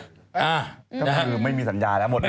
ก็คือไม่มีสัญญาแล้วหมดแล้ว